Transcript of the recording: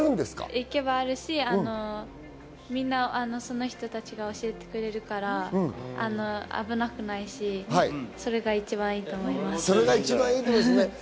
行けばあるし、みんなその人たちが教えてくれるから、危なくないし、それが一番いいと思います。